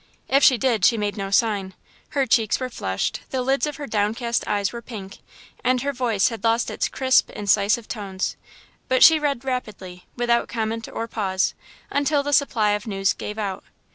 If she did, she made no sign. Her cheeks were flushed, the lids of her downcast eyes were pink, and her voice had lost its crisp, incisive tones, but she read rapidly, without comment or pause, until the supply of news gave out.